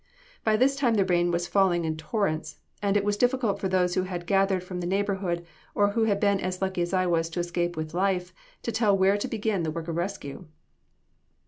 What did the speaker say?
By this time the rain was falling in torrents, and it was difficult for those who had gathered from the neighborhood, or who had been as lucky as I was to escape with life, to tell where to begin the work of rescue.